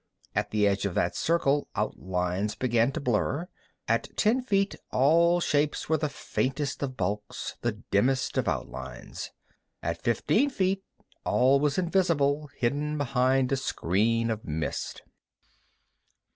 At the edge of that circle outlines began to blur. At ten feet all shapes were the faintest of bulks, the dimmest of outlines. At fifteen feet all was invisible, hidden behind a screen of mist.